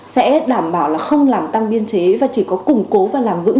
sẽ đảm bảo là không làm tăng biên chế và chỉ có củng cố và làm vững